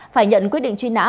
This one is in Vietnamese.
phải nhận quyết định truy nã